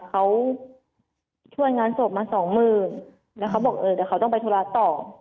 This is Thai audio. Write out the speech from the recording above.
เขาช่วยงานศพมาสองหมื่นแล้วเขาบอกเออเดี๋ยวเขาต้องไปธุระต่อ